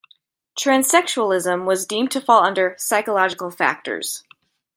Transsexualism was deemed to fall under 'Psychological factors'.